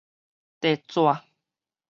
硩紙